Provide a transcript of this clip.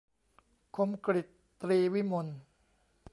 คมกฤษ ตรีวิมล